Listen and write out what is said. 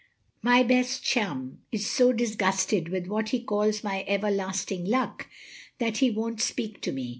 My best chum is so disgusted with what he calls my everlasting luck, that he won't speak to me.